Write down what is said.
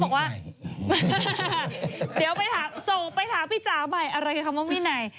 บอกว่าเดี๋ยวไปถามส่งไปถามพี่จ๋าใหม่อะไรคือคำว่าวินัย